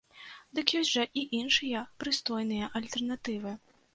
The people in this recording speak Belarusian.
Дык ёсць жа і іншыя прыстойныя альтэрнатывы!